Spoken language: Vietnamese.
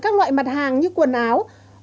các loại mặt hàng như quần áo